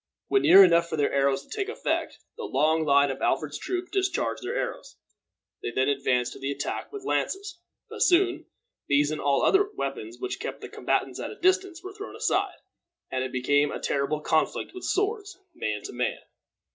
When near enough for their arrows to take effect, the long line of Alfred's troops discharged their arrows. They then advanced to the attack with lances; but soon these and all other weapons which kept the combatants at a distance were thrown aside, and it became a terrible conflict with swords, man to man.